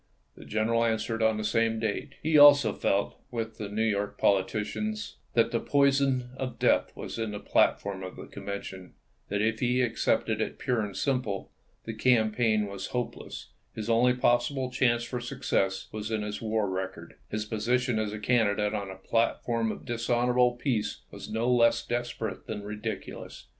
The general answered on the same date. He also felt, with the New York politicians, that the poison of death was in the platform of the Convention ; that if he accepted it pure and simple, the campaign was hopeless ; his only possible chance for success was in his war record ; his position as a candidate on a platform of dishonorable peace was no less desper ate than ridiculous.